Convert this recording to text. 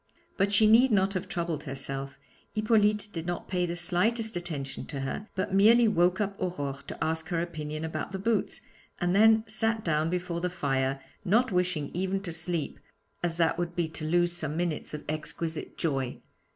But she need not have troubled herself; Hippolyte did not pay the slightest attention to her, but merely woke up Aurore to ask her opinion about the boots, and then sat down before the fire, not wishing even to sleep, as that would be to lose some minutes of exquisite joy.